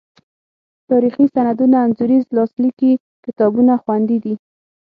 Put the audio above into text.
تاریخي سندونه، انځوریز لاس لیکلي کتابونه خوندي دي.